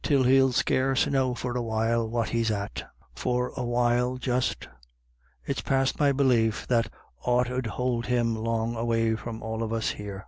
l he'll scarce know for a while what he's at ; for a while just — it's past my belief that aught 'ud hould him long away from all of us here.